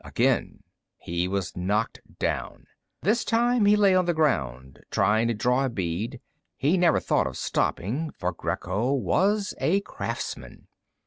Again he was knocked down. This time he lay on the ground, trying to draw a bead. He never thought of stopping, for Greco was a craftsman.